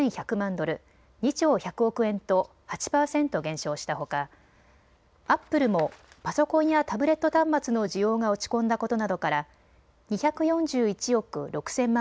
ドル、２兆１００億円と８％減少したほかアップルもパソコンやタブレット端末の需要が落ち込んだことなどから２４１億６０００万